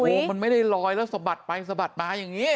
โอ้โหมันไม่ได้ลอยแล้วสะบัดไปสะบัดมาอย่างนี้